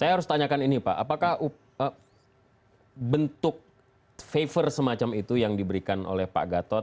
saya harus tanyakan ini pak apakah bentuk favor semacam itu yang diberikan oleh pak gatot